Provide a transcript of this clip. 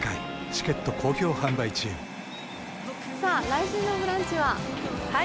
来週の「ブランチ」は？